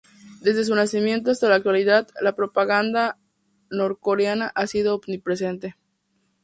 Desde su nacimiento hasta la actualidad, la propaganda norcoreana ha sido "omnipresente".